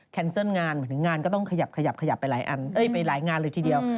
แคนเซิลงานถึงงานก็ต้องขยับไปหลายงานเลยทีเดียว